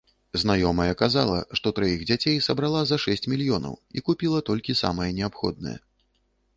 Знаёмая казала, што траіх дзяцей сабрала за шэсць мільёнаў і купіла толькі самае неабходнае.